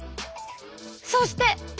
そして！